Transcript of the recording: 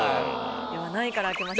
では何位から開けましょうか？